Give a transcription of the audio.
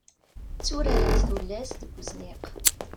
Tturarent tullas deg uzniq.